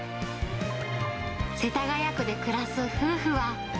世田谷区で暮らす夫婦は。